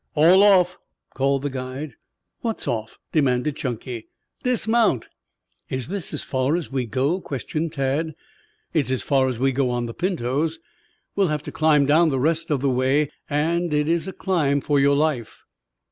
"All off!" called the guide. "What's off?" demanded Chunky. "Dismount." "Is this as far as we go?" questioned Tad. "It is as far as we go on the pintos. We have to climb down the rest of the way, and it's a climb for your life."